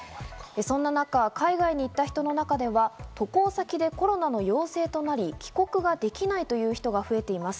そんな中、海外に行った人の中には渡航先でコロナの陽性となり帰国ができないという人が増えています。